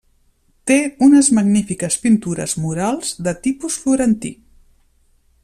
Té unes magnífiques pintures murals de tipus florentí.